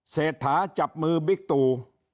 เศรษฐาจับมือบิ๊กตู